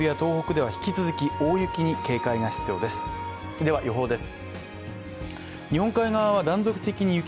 では、予報です。